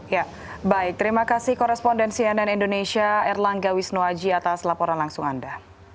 ya baik terima kasih koresponden cnn indonesia erlang gawis nuwaji atas laporan langsung anda